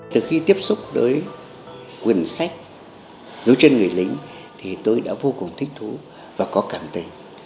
từ khi tiếp xúc với quyền sách giữ chân người lính thì tôi đã vô cùng thích thú và có cảm tình